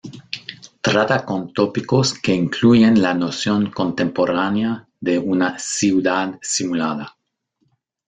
Trata con tópicos que incluyen la noción contemporánea de una "ciudad simulada".